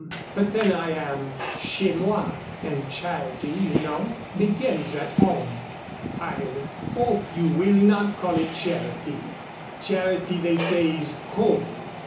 But then I am chez moi, and charity, you know, begins at home." "I hope you will not call it charity. Charity they say is cold.